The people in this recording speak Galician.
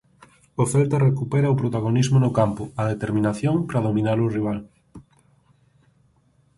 O Celta recupera o protagonismo no campo, a determinación para dominar o rival.